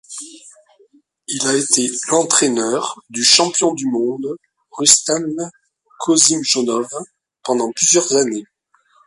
Il a été l'entraîneur du champion du monde Rustam Qosimjonov pendant plusieurs années.